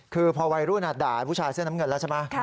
คือพอวัยรุ่นด่าผู้ชายเสื้อน้ำเงินแล้วใช่ไหม